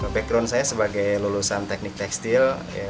background saya sebagai lulusan teknik tekstil